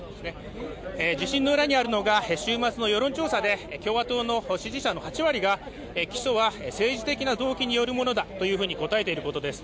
自信の裏にあるのが、週末の世論調査で共和党の支持者の８割が起訴は政治的な動機によるものだと答えていることです。